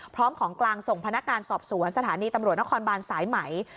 พร้อมของกลางส่งพนักงานสอบสวนสถานีตำรวจนครบานสายไหม